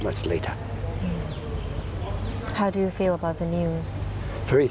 คิดว่าเกิดอะไรขึ้น